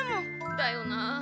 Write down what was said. だよなあ。